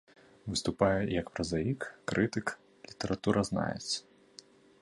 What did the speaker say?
Выступае як празаік, крытык, літаратуразнавец.